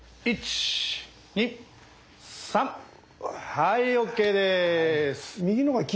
はいＯＫです。